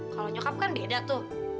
kalau nyokap kan beda tuh